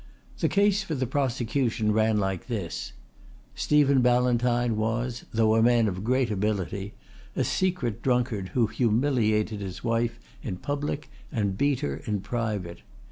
"The case for the prosecution ran like this: Stephen Ballantyne was, though a man of great ability, a secret drunkard who humiliated his wife in public and beat her in private.